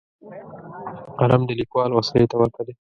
قلم د لیکوال وسلې ته ورته دی